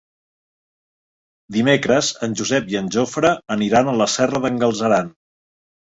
Dimecres en Josep i en Jofre aniran a la Serra d'en Galceran.